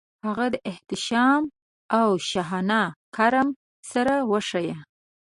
هغه د احتشام او شاهانه کرم سره وښايي.